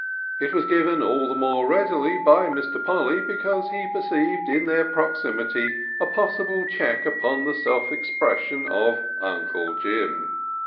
It was given all the more readily by Mr. Polly because he perceived in their proximity a possible check upon the self expression of Uncle Jim.